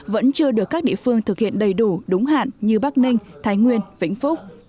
vẫn chưa được các địa phương thực hiện đầy đủ đúng hạn như bắc ninh thái nguyên vĩnh phúc